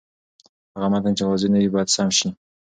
هغه متن چې واضح نه وي، باید سم شي.